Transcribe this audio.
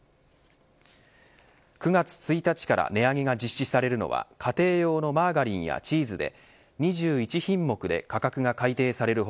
９月１日から値上げが実施されるのは家庭用のマーガリンやチーズで２１品目で価格が改定される